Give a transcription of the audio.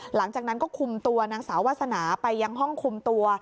หลังจากนั้นก็คุมตัวนางสาววาสนาไปยังห้องคุมตัว